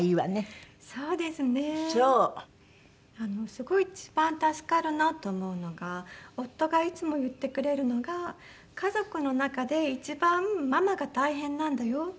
すごい一番助かるなと思うのが夫がいつも言ってくれるのが「家族の中で一番ママが大変なんだよ」。